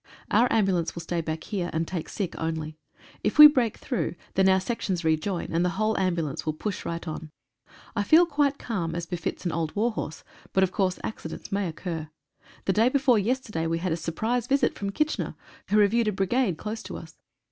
Our ambulance will stay back here, and take sick only. If we break through, then our sections rejoin, and the whole ambulance will push right on. I feel quite calm, as befits an old war horse, but of course accidents may occur. The day before yesterday we had a surprise visit from Kitchener, who reviewed a brigade close to us.